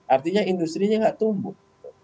artinya industri nya nggak tumbuh